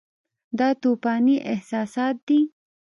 دا توپاني احساسات دي.